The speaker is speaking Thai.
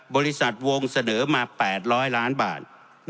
บริษัทวงเสนอมา๘๐๐ล้านบาท